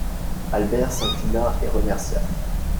Albert s'inclina et remercia.